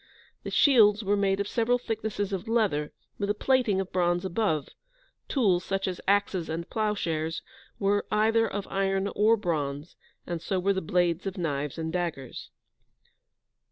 The shields were made of several thicknesses of leather, with a plating of bronze above; tools, such as axes and ploughshares, were either of iron or bronze; and so were the blades of knives and daggers.